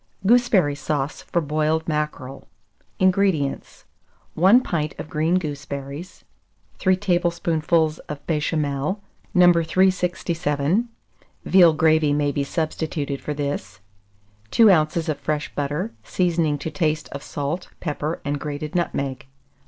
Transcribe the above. GOOSEBERRY SAUCE FOR BOILED MACKEREL. 429. INGREDIENTS. 1 pint of green gooseberries, 3 tablespoonfuls of Béchamel, No. 367 (veal gravy may be substituted for this), 2 oz. of fresh butter; seasoning to taste of salt, pepper, and grated nutmeg.